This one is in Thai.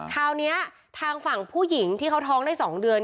คราวนี้ทางฝั่งผู้หญิงที่เขาท้องได้๒เดือน